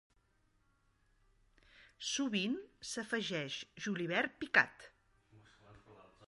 Sovint s'afegeix julivert picat.